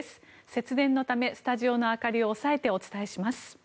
節電のためスタジオの明かりを抑えてお伝えします。